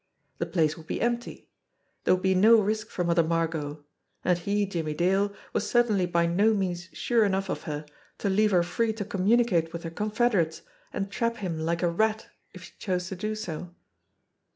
The place would be empty. There would be no risk for Mother Margot and he, Jimmie Dale, was certainly by no means sure enough of her to leave her free to communicate with her confederates and trap him like a rat if she chose to do so.